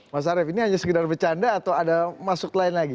mas arief ini hanya sekedar bercanda atau ada masuk lain lagi